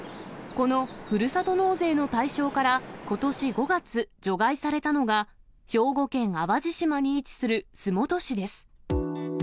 このふるさと納税の対象から、ことし５月、除外されたのが、兵庫県淡路島に位置する洲本市です。